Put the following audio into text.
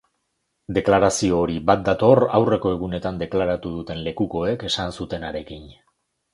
Deklarazio hori bat dator aurreko egunetan deklaratu duten lekukoek esan zutenarekin.